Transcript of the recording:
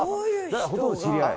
ほとんど知り合い？